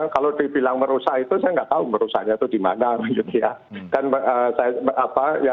kalau dibilang merusak itu saya nggak tahu merusaknya itu di mana